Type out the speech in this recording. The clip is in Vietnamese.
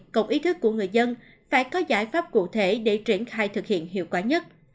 cộng ý thức của người dân phải có giải pháp cụ thể để triển khai thực hiện hiệu quả nhất